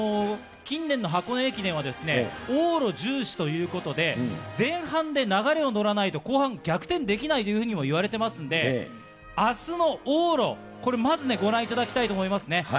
近年の箱根駅伝は、往路重視ということで、前半で流れに乗らないと後半、逆転できないというふうにも言われてますんで、あすの往路、これ、まずね、ご覧いただきたいと思いますね。